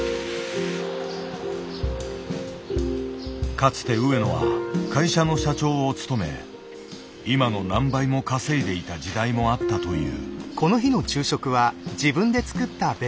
かつて上野は会社の社長を務め今の何倍も稼いでいた時代もあったという。